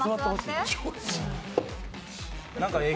何かええ